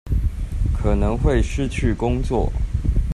可能會失去工作